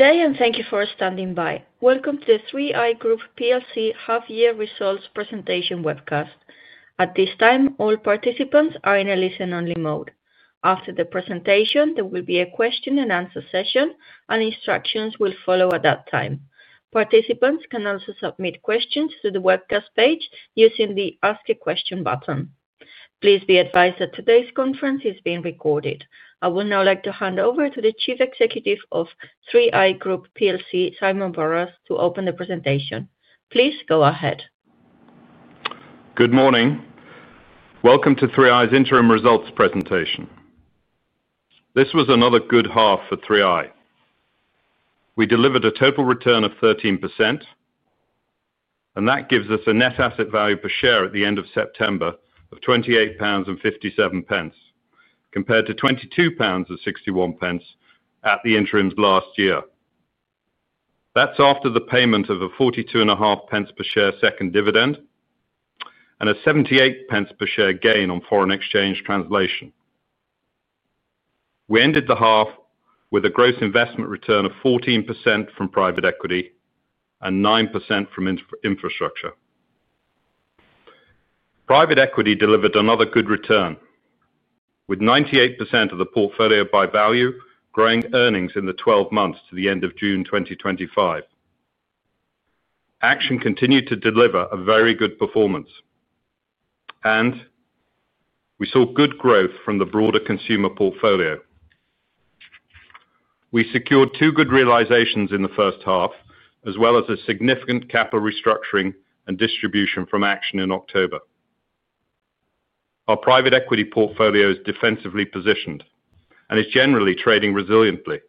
Today, and thank you for standing by. Welcome to the 3i Group plc half-year results presentation webcast. At this time, all participants are in a listen-only mode. After the presentation, there will be a question-and-answer session, and instructions will follow at that time. Participants can also submit questions to the webcast page using the Ask a Question button. Please be advised that today's conference is being recorded. I would now like to hand over to the Chief Executive of 3i Group plc, Simon Borrows, to open the presentation. Please go ahead. Good morning. Welcome to 3i's interim results presentation. This was another good half for 3i. We delivered a total return of 13%, and that gives us a net asset value per share at the end of September of 28.57 pounds, compared to 22.61 pounds at the interims last year. That is after the payment of a 42.50 per share second dividend and a 0.78 per share gain on foreign exchange translation. We ended the half with a gross investment return of 14% from private equity and 9% from infrastructure. Private equity delivered another good return, with 98% of the portfolio by value growing earnings in the 12 months to the end of June 2025. Action continued to deliver a very good performance, and we saw good growth from the broader consumer portfolio. We secured two good realizations in the first half, as well as a significant capital restructuring and distribution from Action in October. Our private equity portfolio is defensively positioned and is generally trading resiliently.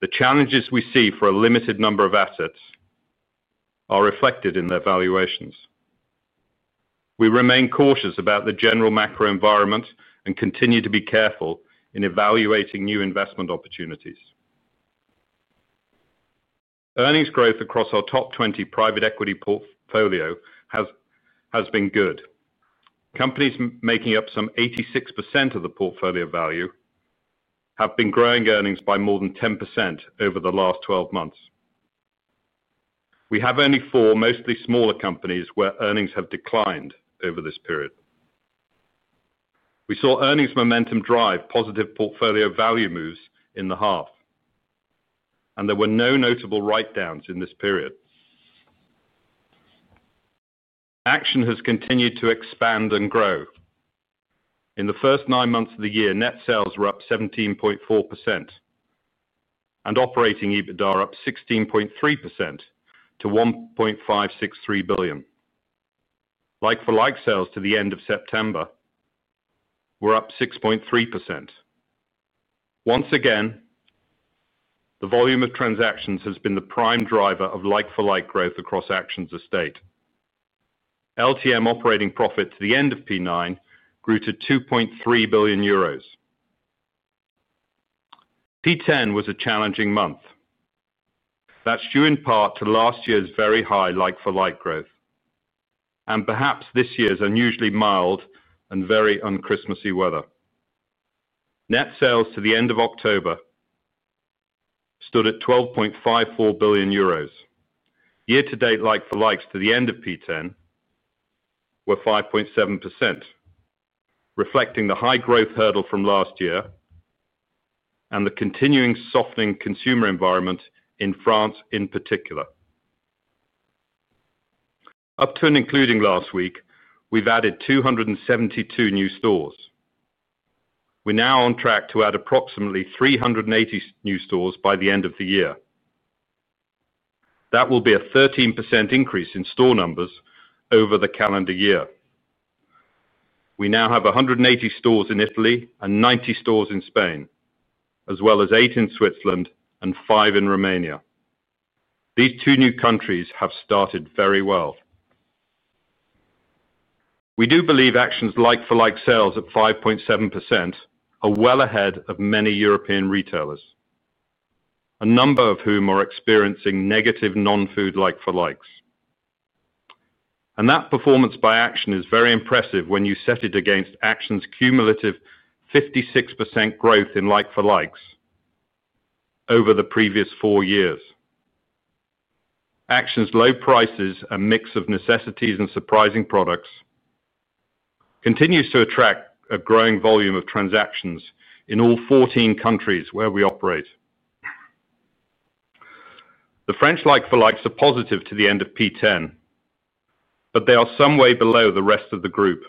The challenges we see for a limited number of assets are reflected in their valuations. We remain cautious about the general macro environment and continue to be careful in evaluating new investment opportunities. Earnings growth across our top 20 private equity portfolio has been good. Companies making up some 86% of the portfolio value have been growing earnings by more than 10% over the last 12 months. We have only four mostly smaller companies where earnings have declined over this period. We saw earnings momentum drive positive portfolio value moves in the half, and there were no notable write-downs in this period. Action has continued to expand and grow. In the first nine months of the year, net sales were up 17.4% and operating EBITDA were up 16.3% to 1.563 billion. Like-for-like sales to the end of September were up 6.3%. Once again, the volume of transactions has been the prime driver of like-for-like growth across Action's estate. LTM operating profit to the end of P9 grew to 2.3 billion euros. P10 was a challenging month. That's due in part to last year's very high like-for-like growth and perhaps this year's unusually mild and very un-Christmassy weather. Net sales to the end of October stood at 12.54 billion euros. Year-to-date like-for-likes to the end of P10 were 5.7%, reflecting the high growth hurdle from last year and the continuing softening consumer environment in France in particular. Up to and including last week, we've added 272 new stores. We're now on track to add approximately 380 new stores by the end of the year. That will be a 13% increase in store numbers over the calendar year. We now have 180 stores in Italy and 90 stores in Spain, as well as eight in Switzerland and five in Romania. These two new countries have started very well. We do believe Action's like-for-like sales at 5.7% are well ahead of many European retailers, a number of whom are experiencing negative non-food like-for-likes. That performance by Action is very impressive when you set it against Action's cumulative 56% growth in like-for-likes over the previous four years. Action's low prices, a mix of necessities and surprising products, continue to attract a growing volume of transactions in all 14 countries where we operate. The French like-for-likes are positive to the end of P10, but they are some way below the rest of the group.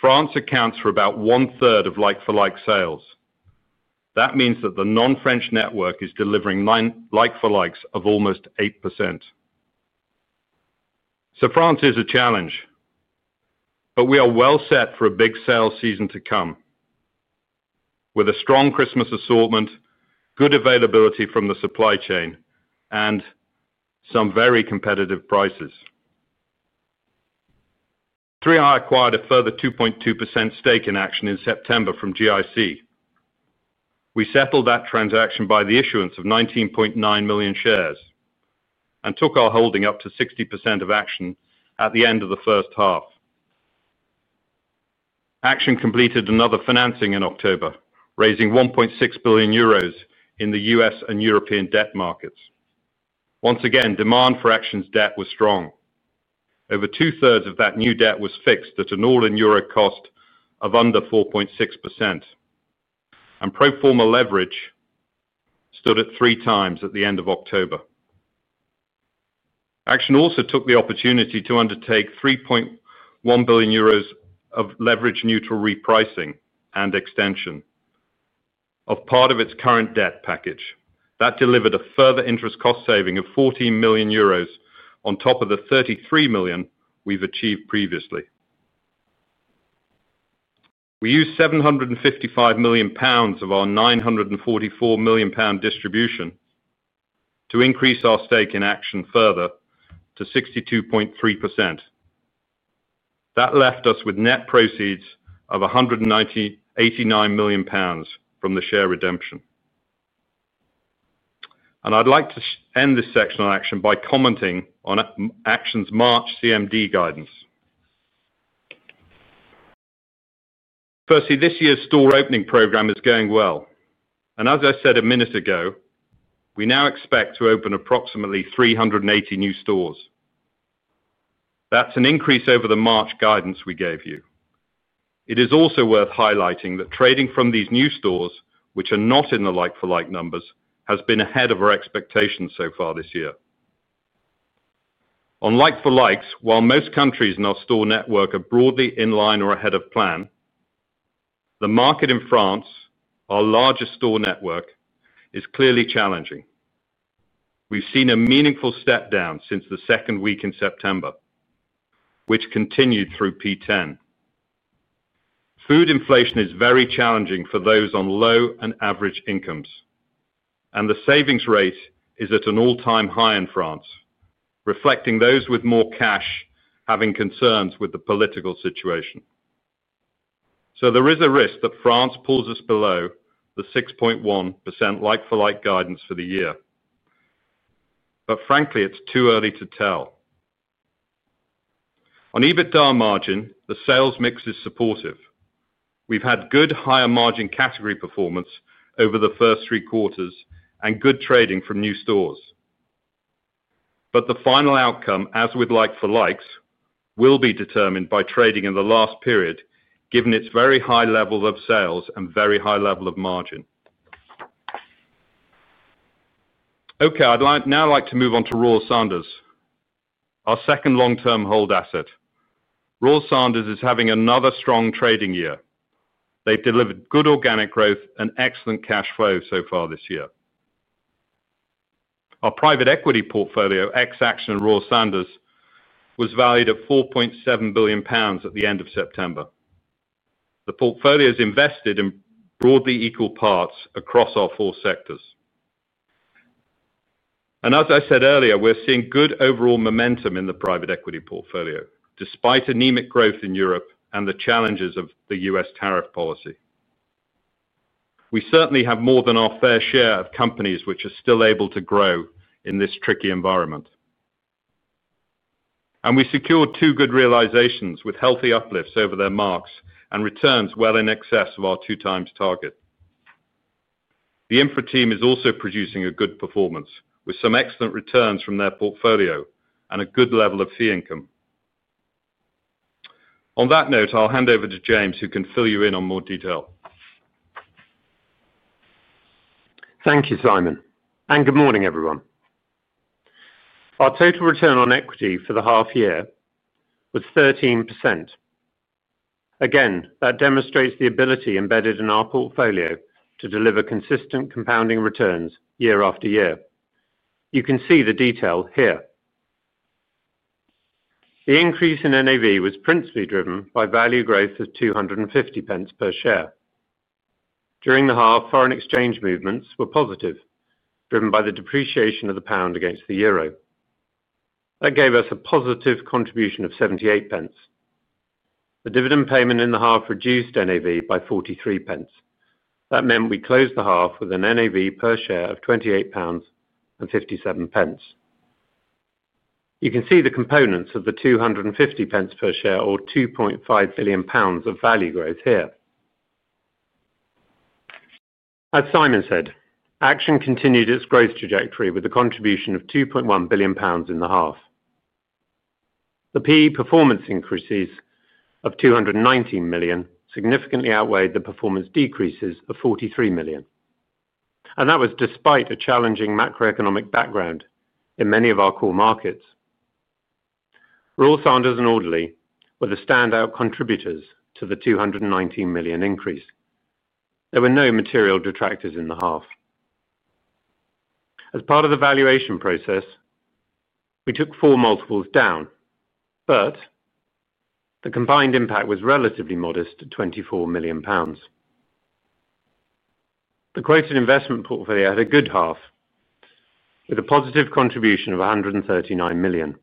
France accounts for about one-third of like-for-like sales. That means that the non-French network is delivering like-for-likes of almost 8%. France is a challenge, but we are well set for a big sales season to come, with a strong Christmas assortment, good availability from the supply chain, and some very competitive prices. 3i acquired a further 2.2% stake in Action in September from GIC. We settled that transaction by the issuance of 19.9 million shares and took our holding up to 60% of Action at the end of the first half. Action completed another financing in October, raising 1.6 billion euros in the U.S. and European debt markets. Once again, demand for Action's debt was strong. Over two-thirds of that new debt was fixed at an all-in EUR cost of under 4.6%, and pro forma leverage stood at three times at the end of October. Action also took the opportunity to undertake 3.1 billion euros of leverage-neutral repricing and extension of part of its current debt package. That delivered a further interest cost saving of 14 million euros on top of the 33 million we've achieved previously. We used 755 million pounds of our 944 million pound distribution to increase our stake in Action further to 62.3%. That left us with net proceeds of 189 million pounds from the share redemption. I'd like to end this section on Action by commenting on Action's March CMD guidance. Firstly, this year's store opening program is going well. As I said a minute ago, we now expect to open approximately 380 new stores. That's an increase over the March guidance we gave you. It is also worth highlighting that trading from these new stores, which are not in the like-for-like numbers, has been ahead of our expectations so far this year. On like-for-likes, while most countries in our store network are broadly in line or ahead of plan, the market in France, our largest store network, is clearly challenging. We've seen a meaningful step down since the second week in September, which continued through P10. Food inflation is very challenging for those on low and average incomes, and the savings rate is at an all-time high in France, reflecting those with more cash having concerns with the political situation. There is a risk that France pulls us below the 6.1% like-for-like guidance for the year. Frankly, it's too early to tell. On EBITDA margin, the sales mix is supportive. We've had good higher-margin category performance over the first three quarters and good trading from new stores. The final outcome, as with like-for-likes, will be determined by trading in the last period, given its very high level of sales and very high level of margin. Okay, I'd now like to move on to Royal Sanders, our second long-term hold asset. Royal Sanders is having another strong trading year. They've delivered good organic growth and excellent cash flow so far this year. Our private equity portfolio, ex-Action and Royal Sanders, was valued at 4.7 billion pounds at the end of September. The portfolio is invested in broadly equal parts across our four sectors. As I said earlier, we're seeing good overall momentum in the private equity portfolio, despite anemic growth in Europe and the challenges of the U.S. tariff policy. We certainly have more than our fair share of companies which are still able to grow in this tricky environment. We secured two good realizations with healthy uplifts over their marks and returns well in excess of our two-times target. The infra team is also producing a good performance, with some excellent returns from their portfolio and a good level of fee income. On that note, I'll hand over to James, who can fill you in on more detail. Thank you, Simon. Good morning, everyone. Our total return on equity for the half year was 13%. Again, that demonstrates the ability embedded in our portfolio to deliver consistent compounding returns year-after-year. You can see the detail here. The increase in NAV was principally driven by value growth of 2.50 per share. During the half, foreign exchange movements were positive, driven by the depreciation of the pound against the Euro. That gave us a positive contribution of 0.78. The dividend payment in the half reduced NAV by 0.43. That meant we closed the half with an NAV per share of 28.57 pounds. You can see the components of the 2.50 per share, or 2.5 billion pounds of value growth here. As Simon said, Action continued its growth trajectory with a contribution of 2.1 billion pounds in the half. The PE performance increases of 219 million significantly outweighed the performance decreases of 43 million. That was despite a challenging macroeconomic background in many of our core markets. Royal Sanders and Audley were the standout contributors to the 219 million increase. There were no material detractors in the half. As part of the valuation process, we took four multiples down, but the combined impact was relatively modest at 24 million pounds. The quoted investment portfolio had a good half, with a positive contribution of 139 million.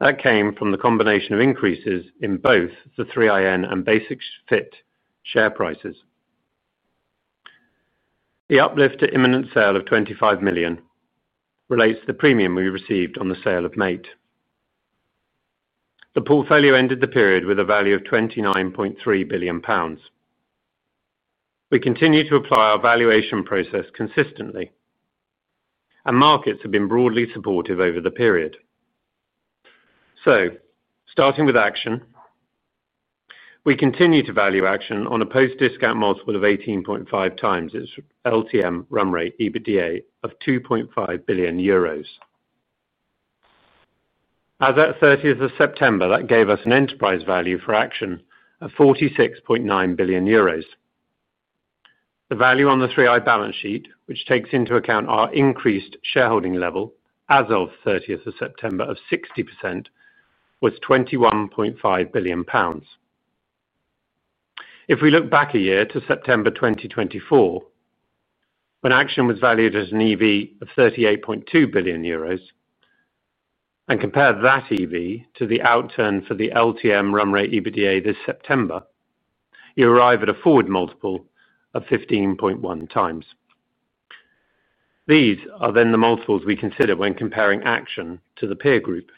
That came from the combination of increases in both the 3iN and Basic-Fit share prices. The uplift to imminent sale of 25 million relates to the premium we received on the sale of Mate. The portfolio ended the period with a value of 29.3 billion pounds. We continue to apply our valuation process consistently, and markets have been broadly supportive over the period. Starting with Action, we continue to value Action on a post-discount multiple of 18.5 times its LTM run rate, EBITDA, of 2.5 billion euros. As at 30th of September, that gave us an enterprise value for Action of 46.9 billion euros. The value on the 3i balance sheet, which takes into account our increased shareholding level as of 30th of September of 60%, was 21.5 billion pounds. If we look back a year to September 2023, when Action was valued at an EV of 38.2 billion euros, and compare that EV to the outturn for the LTM run rate, EBITDA, this September, you arrive at a forward multiple of 15.1 times. These are then the multiples we consider when comparing Action to the peer group.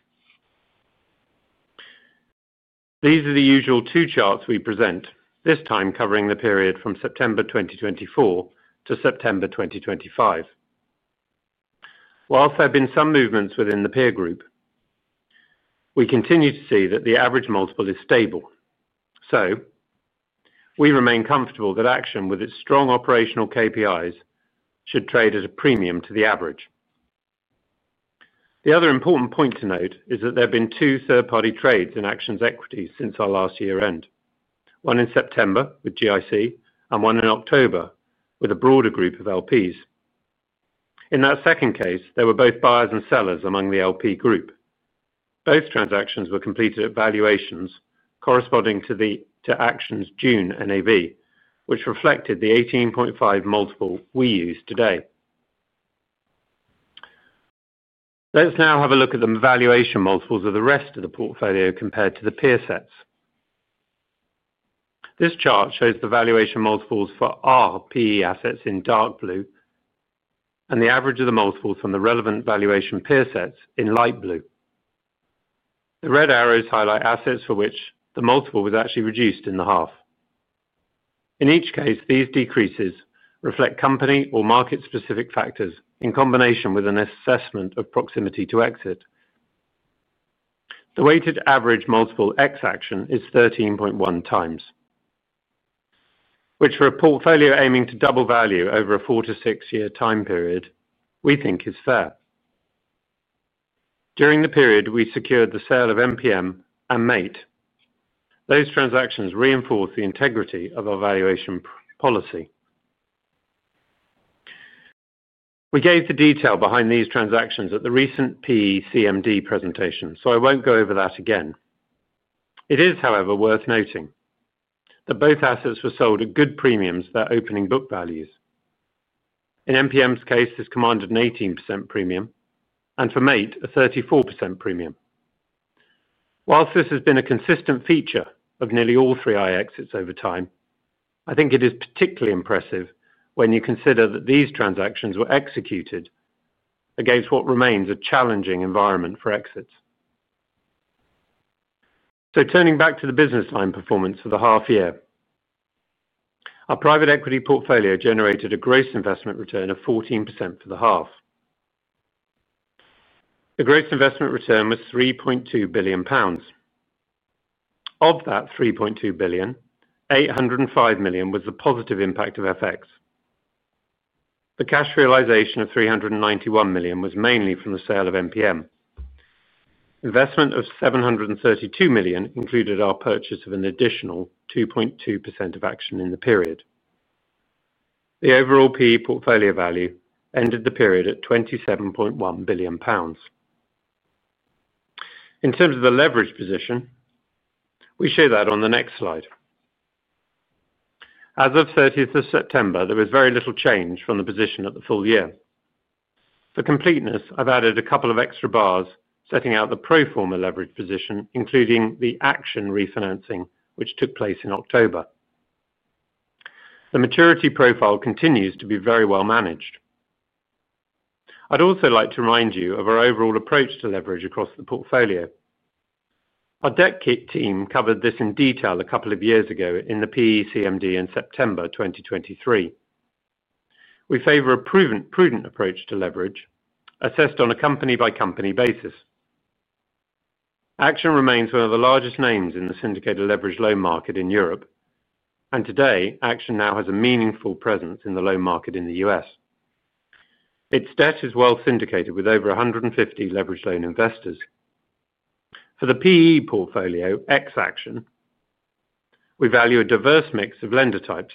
These are the usual two charts we present, this time covering the period from September 2023 to September 2024. Whilst there have been some movements within the peer group, we continue to see that the average multiple is stable. We remain comfortable that Action, with its strong operational KPIs, should trade at a premium to the average. The other important point to note is that there have been two third-party trades in Action's equities since our last year-end, one in September with GIC and one in October with a broader group of LPs. In that second case, there were both buyers and sellers among the LP group. Both transactions were completed at valuations corresponding to Action's June NAV, which reflected the 18.5x we use today. Let's now have a look at the valuation multiples of the rest of the portfolio compared to the peer sets. This chart shows the valuation multiples for our PE assets in dark blue and the average of the multiples from the relevant valuation peer sets in light blue. The red arrows highlight assets for which the multiple was actually reduced in the half. In each case, these decreases reflect company or market-specific factors in combination with an assessment of proximity to exit. The weighted average multiple ex-Action is 13.1 times, which for a portfolio aiming to double value over a four- to six-year time period, we think is fair. During the period we secured the sale of MPM and Mate, those transactions reinforce the integrity of our valuation policy. We gave the detail behind these transactions at the recent PE CMD presentation, so I won't go over that again. It is, however, worth noting that both assets were sold at good premiums at their opening book values. In MPM's case, this commanded an 18% premium, and for Mate, a 34% premium. Whilst this has been a consistent feature of nearly all 3i exits over time, I think it is particularly impressive when you consider that these transactions were executed against what remains a challenging environment for exits. Turning back to the business line performance for the half year, our private equity portfolio generated a gross investment return of 14% for the half. The gross investment return was 3.2 billion pounds. Of that 3.2 billion, 805 million was the positive impact of FX. The cash realization of 391 million was mainly from the sale of MPM. Investment of 732 million included our purchase of an additional 2.2% of Action in the period. The overall PE portfolio value ended the period at 27.1 billion pounds. In terms of the leverage position, we show that on the next slide. As of 30th of September, there was very little change from the position at the full year. For completeness, I've added a couple of extra bars setting out the pro forma leverage position, including the Action refinancing, which took place in October. The maturity profile continues to be very well managed. I'd also like to remind you of our overall approach to leverage across the portfolio. Our debt kit team covered this in detail a couple of years ago in the PE CMD in September 2023. We favor a prudent approach to leverage assessed on a company-by-company basis. Action remains one of the largest names in the syndicated leverage loan market in Europe, and today, Action now has a meaningful presence in the loan market in the U.S. Its debt is well syndicated with over 150 leverage loan investors. For the PE portfolio, ex-Action, we value a diverse mix of lender types,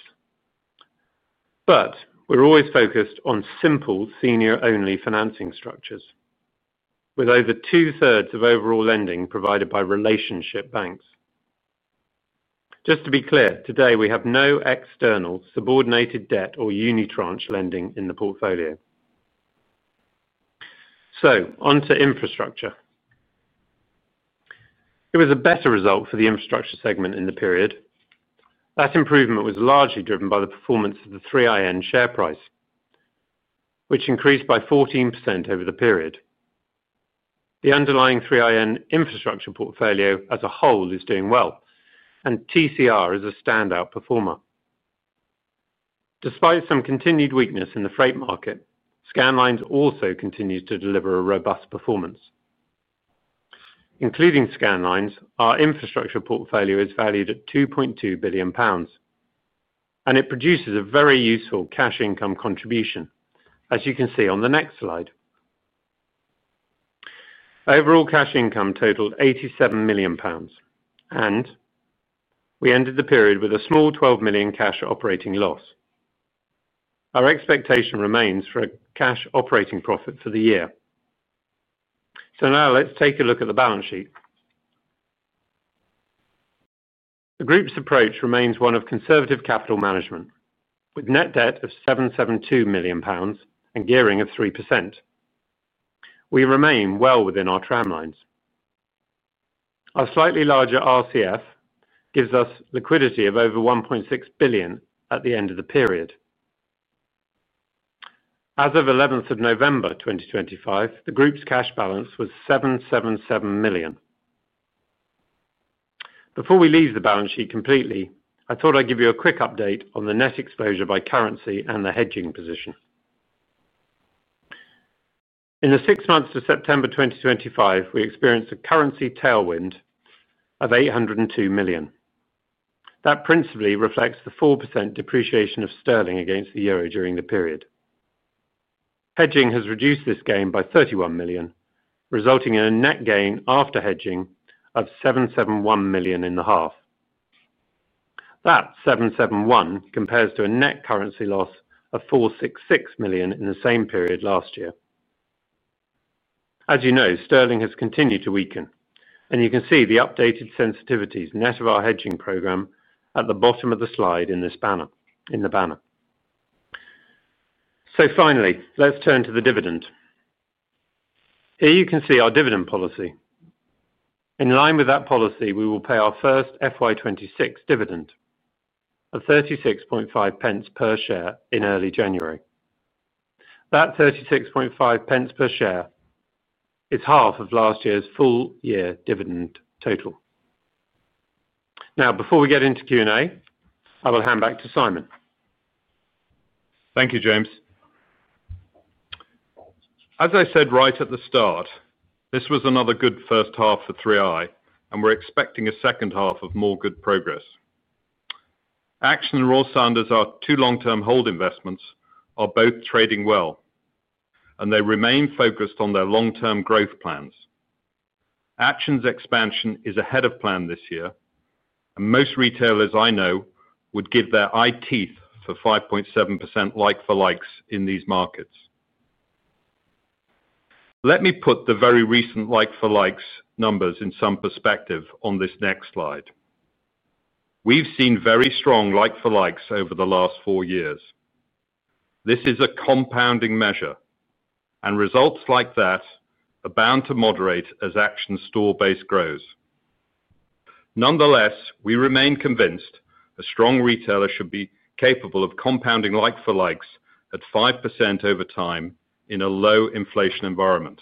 but we're always focused on simple senior-only financing structures, with over two-thirds of overall lending provided by relationship banks. Just to be clear, today we have no external subordinated debt or unitranche lending in the portfolio. Onto infrastructure. It was a better result for the infrastructure segment in the period. That improvement was largely driven by the performance of the 3iN share price, which increased by 14% over the period. The underlying 3iN infrastructure portfolio as a whole is doing well, and TCR is a standout performer. Despite some continued weakness in the freight market, Scanlines also continues to deliver a robust performance. Including Scanlines, our infrastructure portfolio is valued at 2.2 billion pounds, and it produces a very useful cash income contribution, as you can see on the next slide. Overall cash income totaled 87 million pounds, and we ended the period with a small 12 million cash operating loss. Our expectation remains for a cash operating profit for the year. Now let's take a look at the balance sheet. The group's approach remains one of conservative capital management, with net debt of 772 million pounds and gearing of 3%. We remain well within our tram lines. Our slightly larger RCF gives us liquidity of over 1.6 billion at the end of the period. As of 11th of November 2025, the group's cash balance was 777 million. Before we leave the balance sheet completely, I thought I'd give you a quick update on the net exposure by currency and the hedging position. In the six months to September 2025, we experienced a currency tailwind of 802 million. That principally reflects the 4% depreciation of sterling against the euro during the period. Hedging has reduced this gain by 31 million, resulting in a net gain after hedging of 771 million in the half. That 771 million compares to a net currency loss of 466 million in the same period last year. As you know, sterling has continued to weaken, and you can see the updated sensitivities net of our hedging program at the bottom of the slide in the banner. Finally, let's turn to the dividend. Here you can see our dividend policy. In line with that policy, we will pay our first FY2026 dividend of 36.5 per share in early January. That 36.5 per share is half of last year's full year dividend total. Now, before we get into Q&A, I will hand back to Simon. Thank you, James. As I said right at the start, this was another good first half for 3i, and we're expecting a second half of more good progress. Action and Royal Sanders' two long-term hold investments are both trading well, and they remain focused on their long-term growth plans. Action's expansion is ahead of plan this year, and most retailers I know would give their eye teeth for 5.7% like-for-likes in these markets. Let me put the very recent like-for-likes numbers in some perspective on this next slide. We've seen very strong like-for-likes over the last four years. This is a compounding measure, and results like that are bound to moderate as Action's store base grows. Nonetheless, we remain convinced a strong retailer should be capable of compounding like-for-likes at 5% over time in a low inflation environment.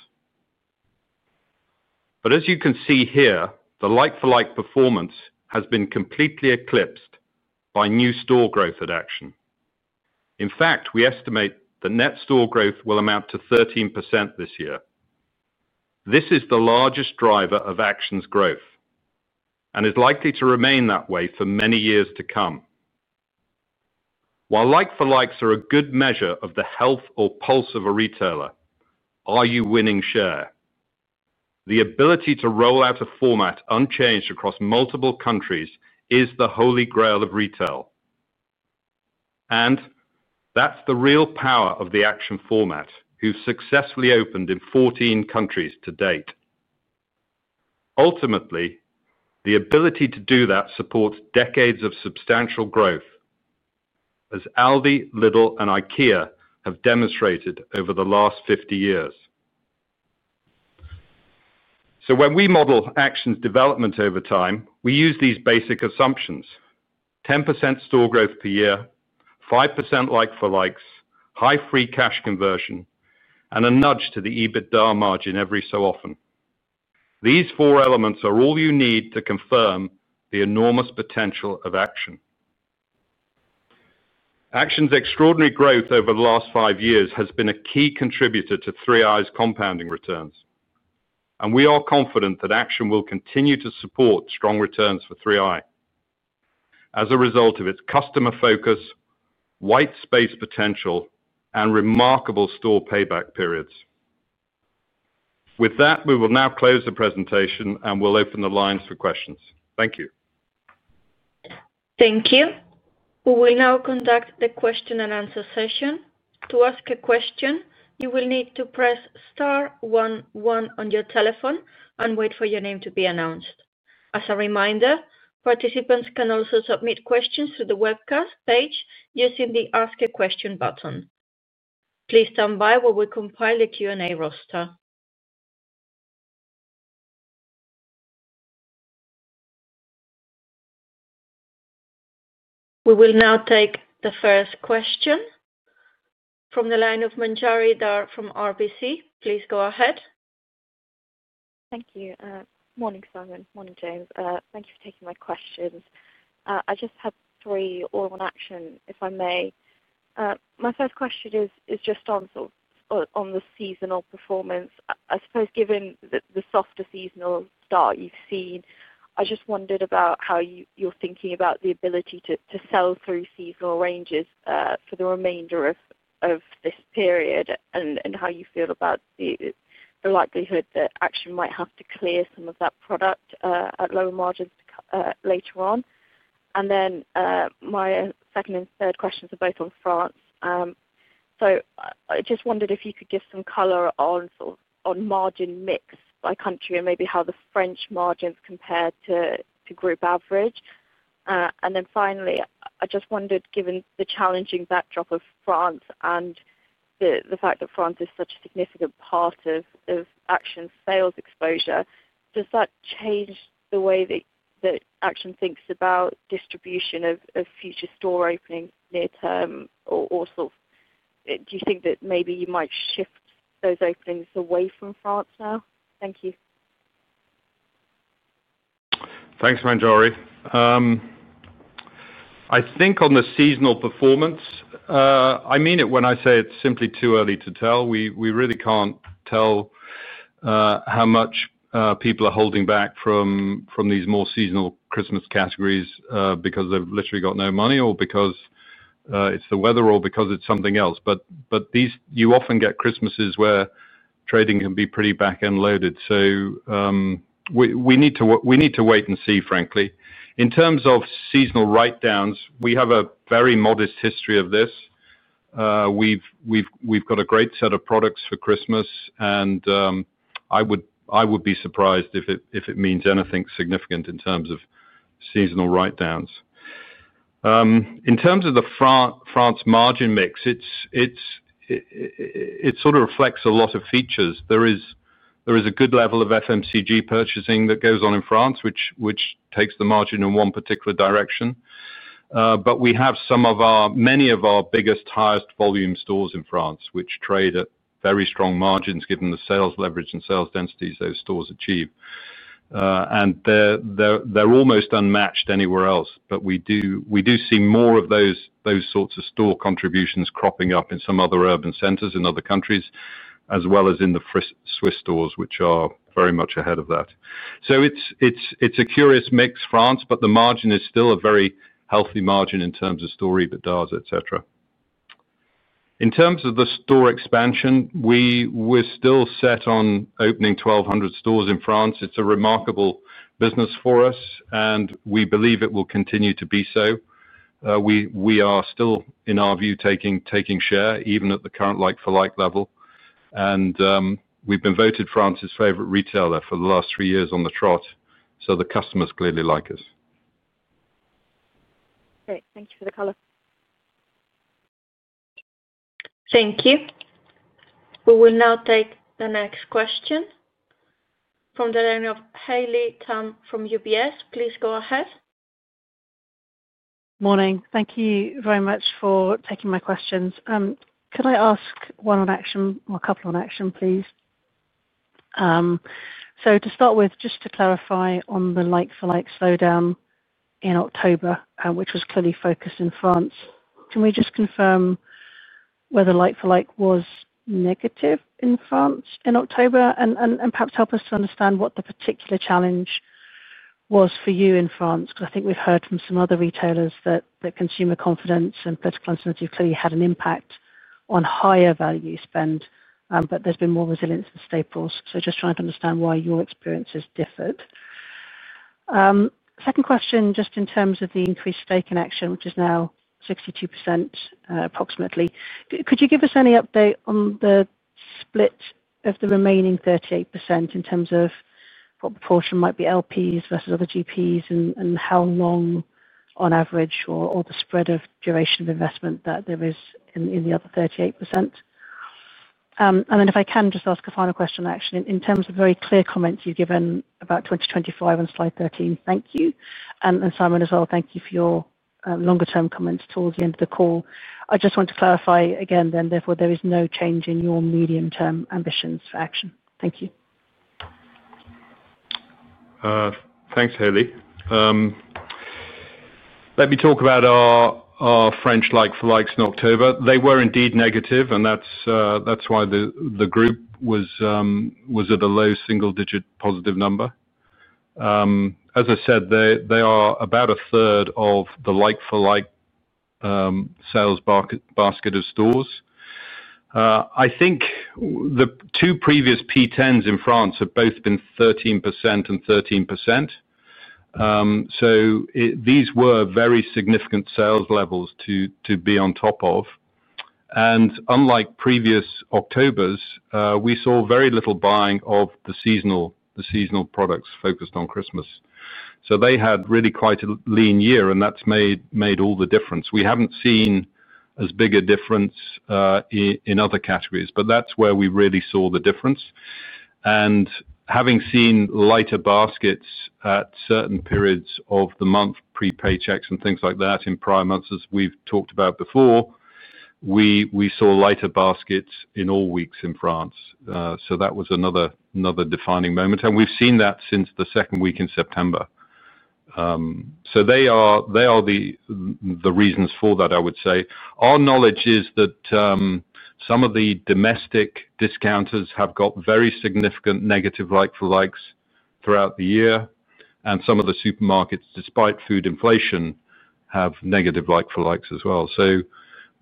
As you can see here, the like-for-like performance has been completely eclipsed by new store growth at Action. In fact, we estimate the net store growth will amount to 13% this year. This is the largest driver of Action's growth and is likely to remain that way for many years to come. While like-for-likes are a good measure of the health or pulse of a retailer, are you winning share? The ability to roll out a format unchanged across multiple countries is the holy grail of retail. That is the real power of the Action format, which has successfully opened in 14 countries to date. Ultimately, the ability to do that supports decades of substantial growth, as Aldi, Lidl, and IKEA have demonstrated over the last 50 years. When we model Action's development over time, we use these basic assumptions: 10% store growth per year, 5% like-for-likes, high free cash conversion, and a nudge to the EBITDA margin every so often. These four elements are all you need to confirm the enormous potential of Action. Action's extraordinary growth over the last five years has been a key contributor to 3i's compounding returns, and we are confident that Action will continue to support strong returns for 3i as a result of its customer focus, white space potential, and remarkable store payback periods. With that, we will now close the presentation, and we'll open the lines for questions. Thank you. Thank you. We will now conduct the question-and-answer session. To ask a question, you will need to press star one one on your telephone and wait for your name to be announced. As a reminder, participants can also submit questions through the webcast page using the Ask a Question button. Please stand by while we compile the Q&A roster. We will now take the first question from the line of Manjari Dhar from RBC. Please go ahead. Thank you. Morning, Simon. Morning, James. Thank you for taking my questions. I just have three on Action, if I may. My first question is just on the seasonal performance. I suppose given the softer seasonal start you've seen, I just wondered about how you're thinking about the ability to sell through seasonal ranges for the remainder of this period and how you feel about the likelihood that Action might have to clear some of that product at lower margins later on. My second and third questions are both on France. I just wondered if you could give some color on margin mix by country and maybe how the French margins compare to group average. Finally, I just wondered, given the challenging backdrop of France and the fact that France is such a significant part of Action's sales exposure, does that change the way that Action thinks about distribution of future store openings near-term? Or do you think that maybe you might shift those openings away from France now? Thank you. Thanks, Manjari. I think on the seasonal performance, I mean it when I say it's simply too early to tell. We really can't tell how much people are holding back from these more seasonal Christmas categories because they've literally got no money or because it's the weather or because it's something else. You often get Christmases where trading can be pretty back-end loaded. We need to wait and see, frankly. In terms of seasonal write-downs, we have a very modest history of this. We've got a great set of products for Christmas, and I would be surprised if it means anything significant in terms of seasonal write-downs. In terms of the France margin mix, it sort of reflects a lot of features. There is a good level of FMCG purchasing that goes on in France, which takes the margin in one particular direction. We have many of our biggest, highest volume stores in France, which trade at very strong margins given the sales leverage and sales densities those stores achieve. They are almost unmatched anywhere else. We do see more of those sorts of store contributions cropping up in some other urban centers in other countries, as well as in the Swiss stores, which are very much ahead of that. It is a curious mix, France, but the margin is still a very healthy margin in terms of store, EBITDAs, etc. In terms of the store expansion, we are still set on opening 1,200 stores in France. It is a remarkable business for us, and we believe it will continue to be so. We are still, in our view, taking share even at the current like-for-like level. We've been voted France's favorite retailer for the last three years on the trot, so the customers clearly like us. Great. Thank you for the color. Thank you. We will now take the next question from the line of Haley Tam from UBS. Please go ahead. Morning. Thank you very much for taking my questions. Could I ask one on Action or a couple on Action, please? To start with, just to clarify on the like-for-like slowdown in October, which was clearly focused in France, can we just confirm whether like-for-like was negative in France in October and perhaps help us to understand what the particular challenge was for you in France? I think we've heard from some other retailers that consumer confidence and political uncertainty have clearly had an impact on higher value spend, but there's been more resilience for staples. Just trying to understand why your experiences differed. Second question, just in terms of the increased stake in Action, which is now 62% approximately, could you give us any update on the split of the remaining 38% in terms of what proportion might be LPs versus other GPs and how long on average or the spread of duration of investment that there is in the other 38%? If I can just ask a final question on Action, in terms of very clear comments you've given about 2025 on slide 13, thank you. Simon, as well, thank you for your longer-term comments towards the end of the call. I just want to clarify again then, therefore, there is no change in your medium-term ambitions for Action. Thank you. Thanks, Haley. Let me talk about our French like-for-likes in October. They were indeed negative, and that is why the group was at a low single-digit positive number. As I said, they are about a third of the like-for-like sales basket of stores. I think the two previous P10s in France have both been 13% and 13%. These were very significant sales levels to be on top of. Unlike previous Octobers, we saw very little buying of the seasonal products focused on Christmas. They had really quite a lean year, and that has made all the difference. We have not seen as big a difference in other categories, but that is where we really saw the difference. Having seen lighter baskets at certain periods of the month, pre-paychecks and things like that in prior months, as we have talked about before, we saw lighter baskets in all weeks in France. That was another defining moment. We have seen that since the second week in September. They are the reasons for that, I would say. Our knowledge is that some of the domestic discounters have got very significant negative like-for-likes throughout the year, and some of the supermarkets, despite food inflation, have negative like-for-likes as well.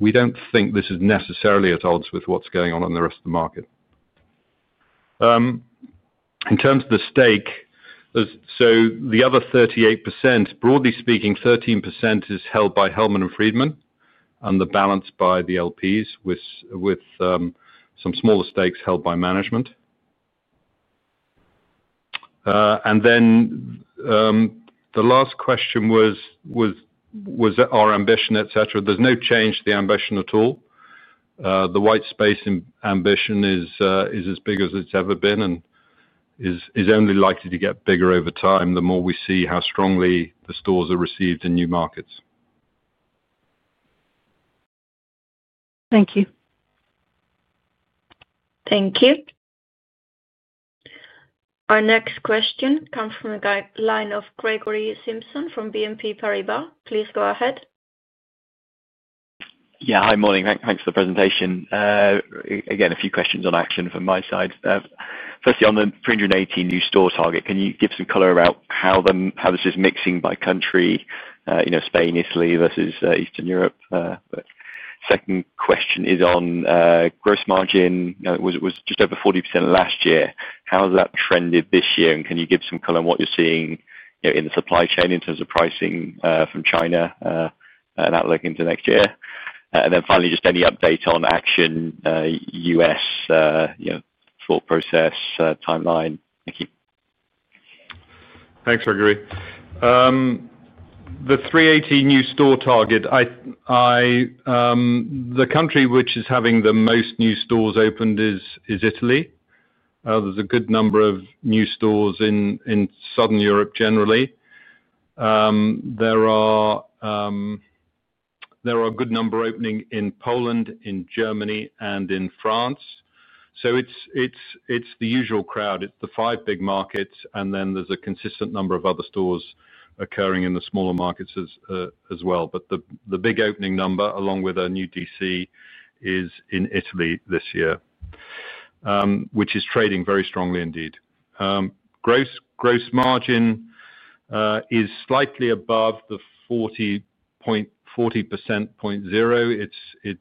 We do not think this is necessarily at odds with what is going on in the rest of the market. In terms of the stake, the other 38%, broadly speaking, 13% is held by Hellman & Friedman, and the balance by the LPs with some smaller stakes held by management. The last question was our ambition, etc. There is no change to the ambition at all. The white space ambition is as big as it's ever been and is only likely to get bigger over time the more we see how strongly the stores are received in new markets. Thank you. Thank you. Our next question comes from the line of Gregory Simpson from BNP Paribas. Please go ahead. Yeah. Hi, morning. Thanks for the presentation. Again, a few questions on Action from my side. Firstly, on the 318 new store target, can you give some color about how this is mixing by country, Spain, Italy versus Eastern Europe? Second question is on gross margin. It was just over 40% last year. How has that trended this year? Can you give some color on what you're seeing in the supply chain in terms of pricing from China and outlook into next year? Finally, just any update on Action, U.S. thought process, timeline? Thank you. Thanks, Gregory. The 318 new store target, the country which is having the most new stores opened is Italy. There is a good number of new stores in Southern Europe generally. There are a good number opening in Poland, in Germany, and in France. It is the usual crowd. It is the five big markets, and then there is a consistent number of other stores occurring in the smaller markets as well. The big opening number, along with a new DC, is in Italy this year, which is trading very strongly indeed. Gross margin is slightly above the 40.0%. It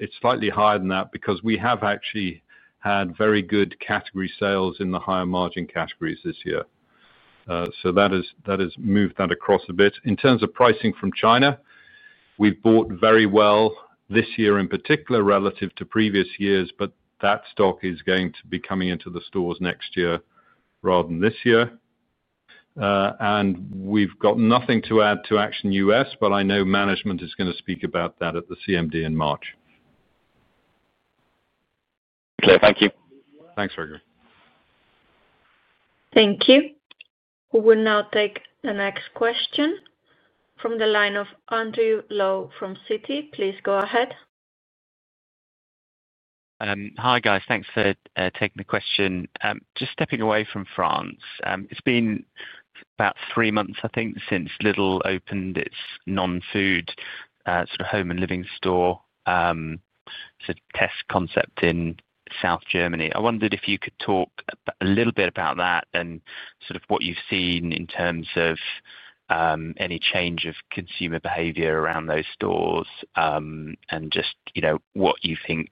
is slightly higher than that because we have actually had very good category sales in the higher margin categories this year. That has moved that across a bit. In terms of pricing from China, we've bought very well this year in particular relative to previous years, but that stock is going to be coming into the stores next year rather than this year. We have nothing to add to Action U.S., but I know management is going to speak about that at the CMD in March. Clear. Thank you. Thanks, Gregory. Thank you. We will now take the next question from the line of Andrew Lowe from Citi. Please go ahead. Hi, guys. Thanks for taking the question. Just stepping away from France, it's been about three months, I think, since Lidl opened its non-food sort of home and living store sort of test concept in South Germany. I wondered if you could talk a little bit about that and sort of what you've seen in terms of any change of consumer behavior around those stores and just what you think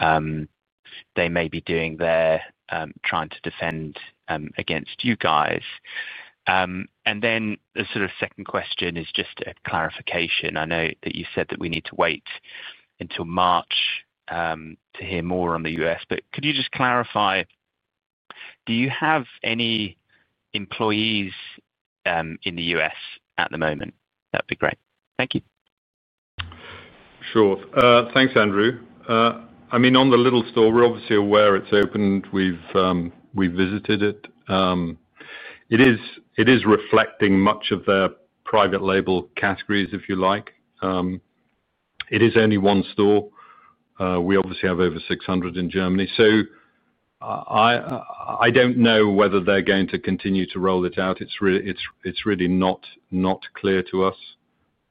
they may be doing there trying to defend against you guys. The sort of second question is just a clarification. I know that you said that we need to wait until March to hear more on the U.S., but could you just clarify, do you have any employees in the U.S. at the moment? That'd be great. Thank you. Sure. Thanks, Andrew. I mean, on the Lidl store, we're obviously aware it's opened. We've visited it. It is reflecting much of their private label categories, if you like. It is only one store. We obviously have over 600 in Germany. I don't know whether they're going to continue to roll it out. It's really not clear to us.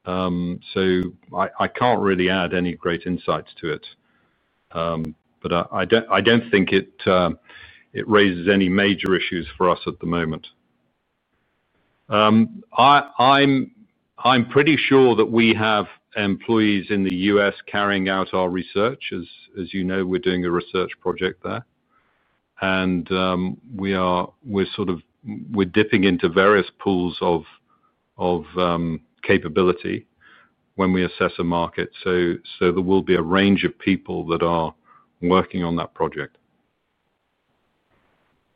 I can't really add any great insights to it, but I don't think it raises any major issues for us at the moment. I'm pretty sure that we have employees in the U.S. carrying out our research. As you know, we're doing a research project there. We're sort of dipping into various pools of capability when we assess a market. There will be a range of people that are working on that project.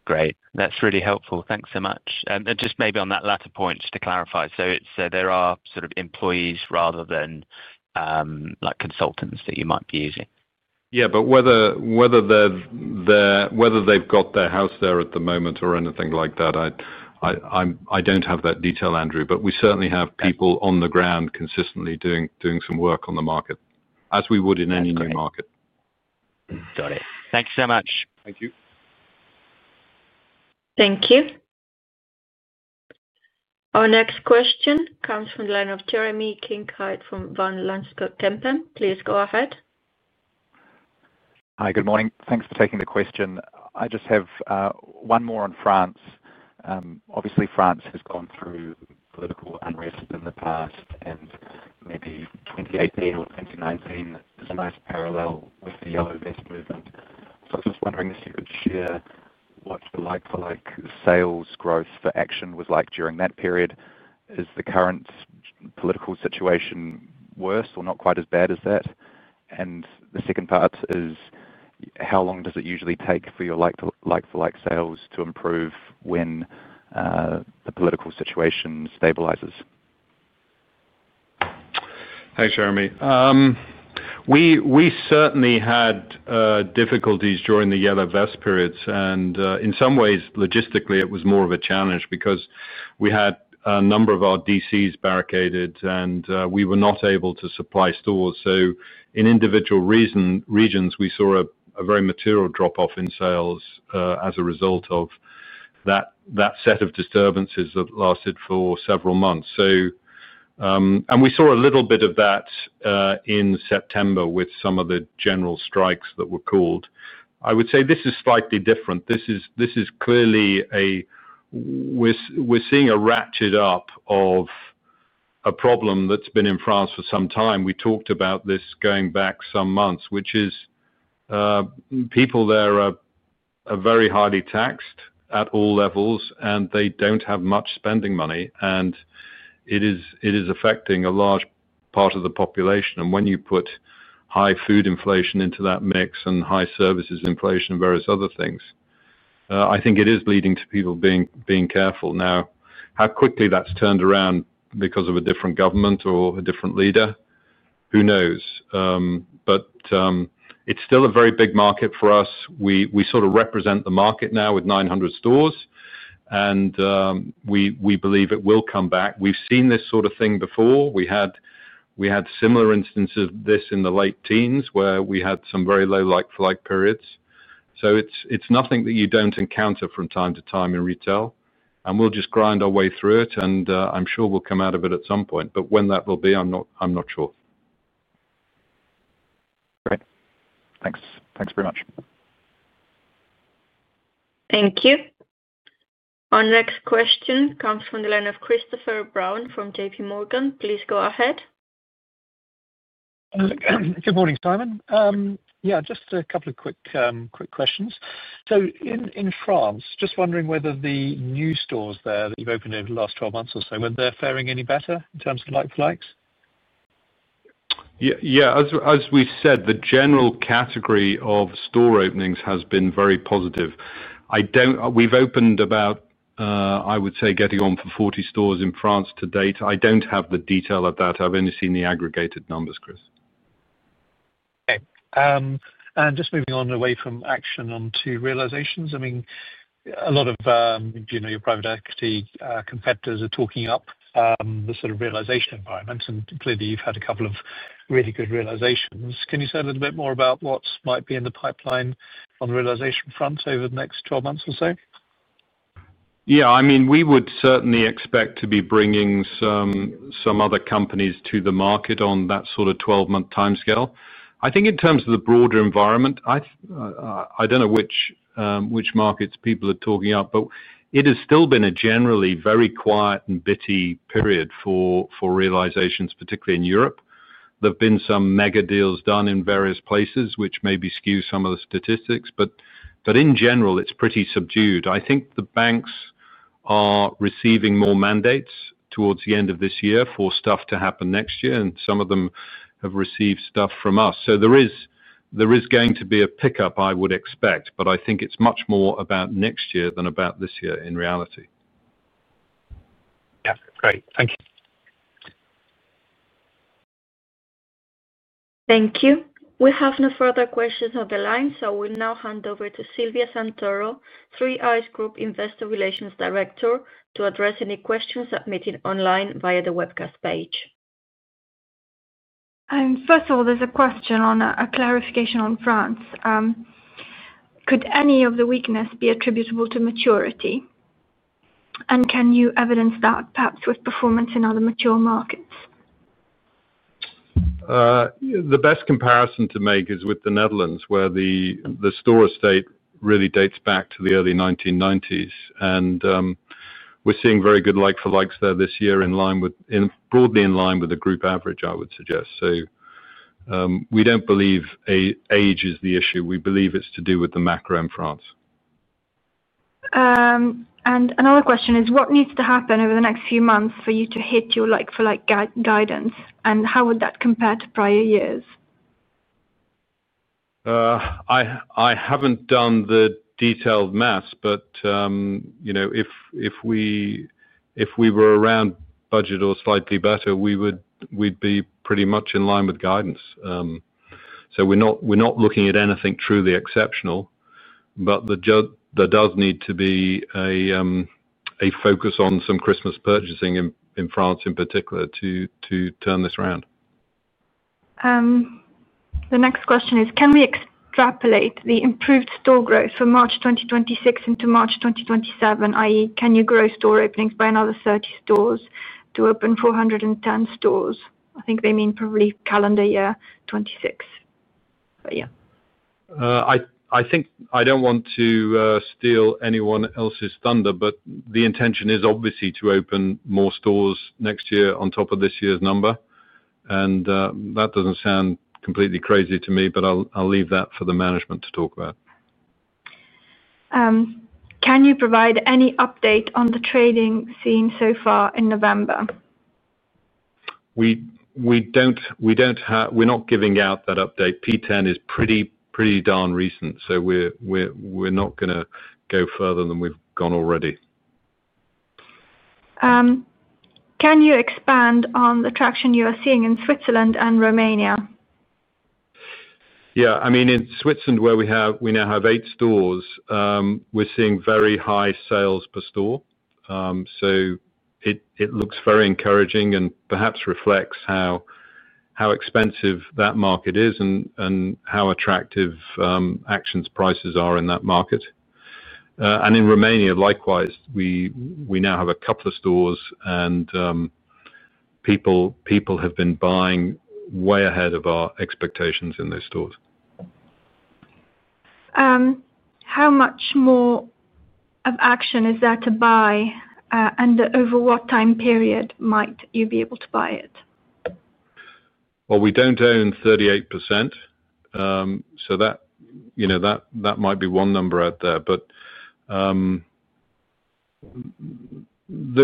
Great. That's really helpful. Thanks so much. Just maybe on that latter point, just to clarify, there are sort of employees rather than consultants that you might be using? Yeah, but whether they've got their house there at the moment or anything like that, I don't have that detail, Andrew. We certainly have people on the ground consistently doing some work on the market as we would in any new market. Got it. Thanks so much. Thank you. Thank you. Our next question comes from the line of Jeremy Kincaid from Van Lanschot Kempen. Please go ahead. Hi, good morning. Thanks for taking the question. I just have one more on France. Obviously, France has gone through political unrest in the past, and maybe 2018 or 2019 is a nice parallel with the yellow vest movement. I was just wondering this year what the like-for-like sales growth for Action was like during that period. Is the current political situation worse or not quite as bad as that? The second part is how long does it usually take for your like-for-like sales to improve when the political situation stabilizes? Thanks, Jeremy. We certainly had difficulties during the yellow vest periods. In some ways, logistically, it was more of a challenge because we had a number of our DCs barricaded, and we were not able to supply stores. In individual regions, we saw a very material drop-off in sales as a result of that set of disturbances that lasted for several months. We saw a little bit of that in September with some of the general strikes that were called. I would say this is slightly different. This is clearly a, we're seeing a ratchet up of a problem that's been in France for some time. We talked about this going back some months, which is people there are very highly taxed at all levels, and they do not have much spending money. It is affecting a large part of the population. When you put high food inflation into that mix and high services inflation and various other things, I think it is leading to people being careful. Now, how quickly that is turned around because of a different government or a different leader, who knows? It is still a very big market for us. We sort of represent the market now with 900 stores, and we believe it will come back. We have seen this sort of thing before. We had similar instances of this in the late 90s where we had some very low like-for-like periods. It is nothing that you do not encounter from time to time in retail. We will just grind our way through it, and I am sure we will come out of it at some point. When that will be, I am not sure. Great. Thanks. Thanks very much. Thank you. Our next question comes from the line of Christopher Brown from JPMorgan. Please go ahead. Good morning, Simon. Yeah, just a couple of quick questions. In France, just wondering whether the new stores there that you've opened over the last 12 months or so, were they faring any better in terms of like-for-likes? Yeah. As we said, the general category of store openings has been very positive. We've opened about, I would say, getting on for 40 stores in France to date. I don't have the detail of that. I've only seen the aggregated numbers, Chris. Okay. And just moving on away from Action onto realizations. I mean, a lot of your private equity competitors are talking up the sort of realization environment. And clearly, you've had a couple of really good realizations. Can you say a little bit more about what might be in the pipeline on the realization front over the next 12 months or so? Yeah. I mean, we would certainly expect to be bringing some other companies to the market on that sort of 12-month timescale. I think in terms of the broader environment, I do not know which markets people are talking up, but it has still been a generally very quiet and bitty period for realizations, particularly in Europe. There have been some mega deals done in various places, which maybe skew some of the statistics. In general, it is pretty subdued. I think the banks are receiving more mandates towards the end of this year for stuff to happen next year, and some of them have received stuff from us. There is going to be a pickup, I would expect, but I think it is much more about next year than about this year in reality. Yeah. Great. Thank you. Thank you. We have no further questions on the line, so we'll now hand over to Silvia Santoro, 3i's Group Investor Relations Director, to address any questions submitted online via the webcast page. First of all, there's a question on a clarification on France. Could any of the weakness be attributable to maturity? Can you evidence that perhaps with performance in other mature markets? The best comparison to make is with the Netherlands, where the store estate really dates back to the early 1990s. We are seeing very good like-for-likes there this year, broadly in line with the group average, I would suggest. We do not believe age is the issue. We believe it is to do with the macro in France. What needs to happen over the next few months for you to hit your like-for-like guidance? How would that compare to prior years? I haven't done the detailed maths, but if we were around budget or slightly better, we'd be pretty much in line with guidance. So we're not looking at anything truly exceptional, but there does need to be a focus on some Christmas purchasing in France in particular to turn this around. The next question is, can we extrapolate the improved store growth from March 2026 into March 2027? I.e., can you grow store openings by another 30 stores to open 410 stores? I think they mean probably calendar year 2026. But yeah. I do not want to steal anyone else's thunder, but the intention is obviously to open more stores next year on top of this year's number. That does not sound completely crazy to me, but I will leave that for the management to talk about. Can you provide any update on the trading scene so far in November? We're not giving out that update. P10 is pretty darn recent, so we're not going to go further than we've gone already. Can you expand on the traction you are seeing in Switzerland and Romania? Yeah. I mean, in Switzerland, where we now have eight stores, we're seeing very high sales per store. It looks very encouraging and perhaps reflects how expensive that market is and how attractive Action's prices are in that market. In Romania, likewise, we now have a couple of stores, and people have been buying way ahead of our expectations in those stores. How much more of Action is that to buy, and over what time period might you be able to buy it? We do not own 38%, so that might be one number out there.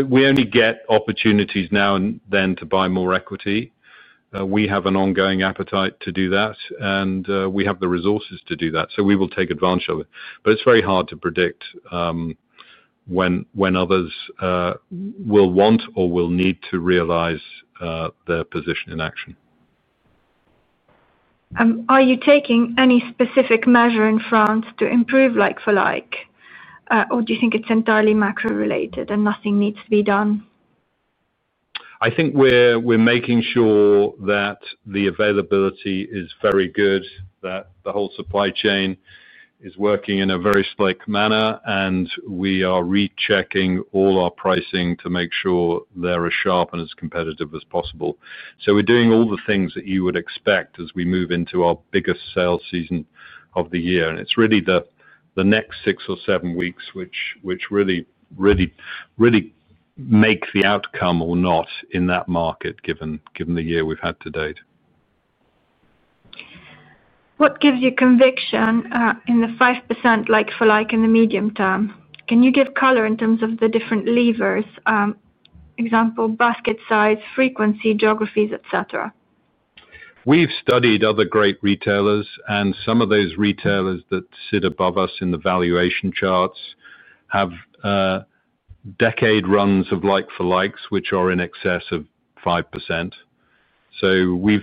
We only get opportunities now and then to buy more equity. We have an ongoing appetite to do that, and we have the resources to do that. We will take advantage of it. It is very hard to predict when others will want or will need to realize their position in Action. Are you taking any specific measure in France to improve like-for-like, or do you think it's entirely macro-related and nothing needs to be done? I think we're making sure that the availability is very good, that the whole supply chain is working in a very slick manner, and we are rechecking all our pricing to make sure they're as sharp and as competitive as possible. We are doing all the things that you would expect as we move into our biggest sales season of the year. It is really the next six or seven weeks which really make the outcome or not in that market given the year we've had to date. What gives you conviction in the 5% like-for-like in the medium term? Can you give color in terms of the different levers? Example, basket size, frequency, geographies, etc.? We've studied other great retailers, and some of those retailers that sit above us in the valuation charts have decade runs of like-for-likes which are in excess of 5%. So we've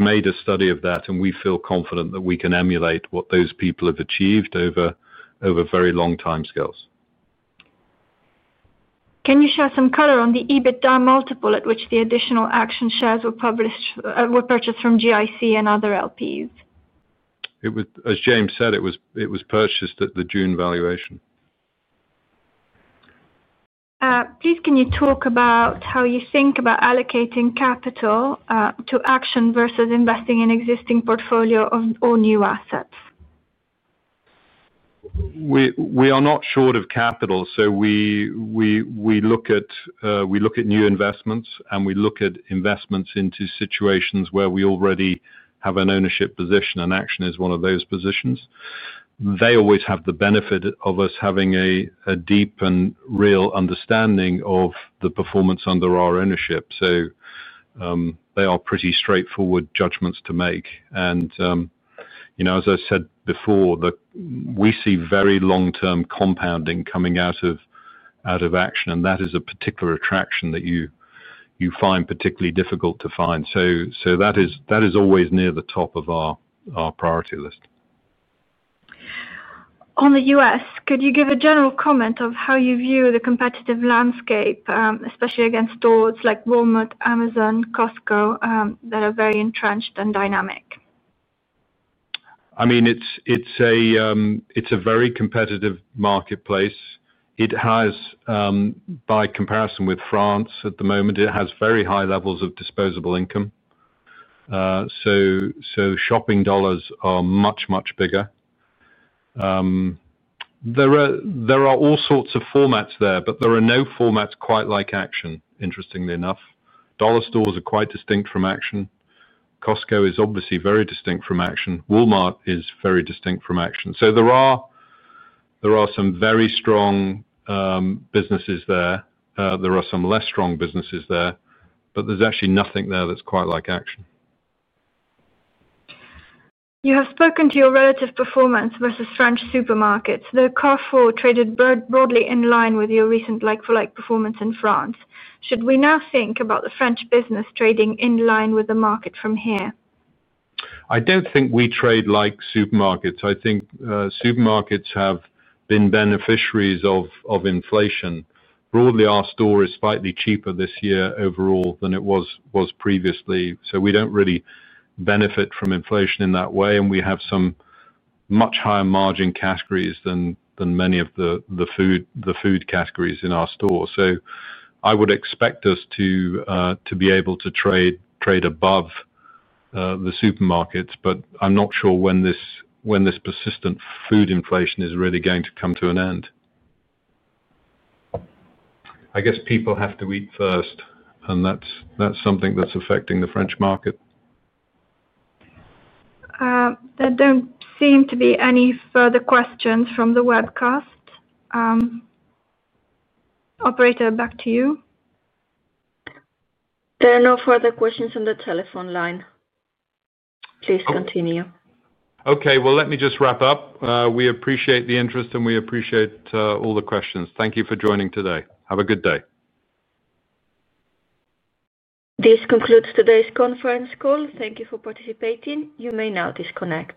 made a study of that, and we feel confident that we can emulate what those people have achieved over very long timescales. Can you show some color on the EBITDA multiple at which the additional Action shares were purchased from GIC and other LPs? As James said, it was purchased at the June valuation. Please, can you talk about how you think about allocating capital to Action versus investing in existing portfolio or new assets? We are not short of capital, so we look at new investments, and we look at investments into situations where we already have an ownership position, and Action is one of those positions. They always have the benefit of us having a deep and real understanding of the performance under our ownership. They are pretty straightforward judgments to make. As I said before, we see very long-term compounding coming out of Action, and that is a particular attraction that you find particularly difficult to find. That is always near the top of our priority list. On the U.S., could you give a general comment of how you view the competitive landscape, especially against stores like Walmart, Amazon, Costco, that are very entrenched and dynamic? I mean, it's a very competitive marketplace. By comparison with France at the moment, it has very high levels of disposable income. So shopping dollars are much, much bigger. There are all sorts of formats there, but there are no formats quite like Action, interestingly enough. Dollar stores are quite distinct from Action. Costco is obviously very distinct from Action. Walmart is very distinct from Action. There are some very strong businesses there. There are some less strong businesses there, but there's actually nothing there that's quite like Action. You have spoken to your relative performance versus French supermarkets. There Carrefour traded broadly in line with your recent like-for-like performance in France. Should we now think about the French business trading in line with the market from here? I don't think we trade like supermarkets. I think supermarkets have been beneficiaries of inflation. Broadly, our store is slightly cheaper this year overall than it was previously. We don't really benefit from inflation in that way, and we have some much higher margin categories than many of the food categories in our store. I would expect us to be able to trade above the supermarkets, but I'm not sure when this persistent food inflation is really going to come to an end. I guess people have to eat first, and that's something that's affecting the French market. There don't seem to be any further questions from the webcast. Operator, back to you. There are no further questions on the telephone line. Please continue. Okay. Let me just wrap up. We appreciate the interest, and we appreciate all the questions. Thank you for joining today. Have a good day. This concludes today's conference call. Thank you for participating. You may now disconnect.